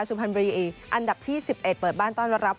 สุภัณฑ์บรีอันดับที่สิบเอ็ดเปิดบ้านต้อนรับ